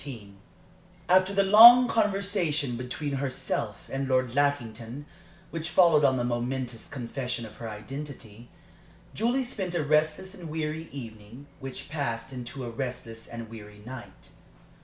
XV After the long conversation between herself and Lord Lackington which followed on the momentous confession of her identity, Julie spent a restless and weary evening, which passed into a restless and weary night.